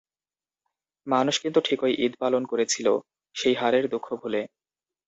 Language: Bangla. মানুষ কিন্তু ঠিকই ঈদ পালন করেছিল, সেই হারের দুঃখ ভুলে।